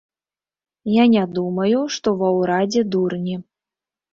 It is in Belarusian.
Я не думаю, што ва ўрадзе дурні.